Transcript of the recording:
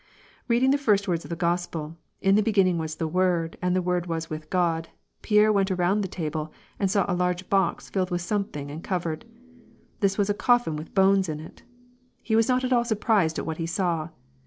Heading the first words of the Gospel :^' In the [ beginning was the Word, and the Word was with G^d." Pierre went around the table, and saw a large box filled with something and covered. This was a coffin with bones in it. He was not at all surprised at what he saw.